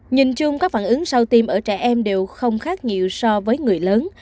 nhìn chung các phản ứng sau tiêm ở trẻ em đều không khác nhiều so với người lớn